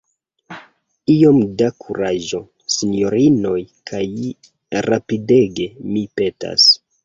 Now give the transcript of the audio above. Iom da kuraĝo, sinjorinoj; kaj rapidege, mi petas.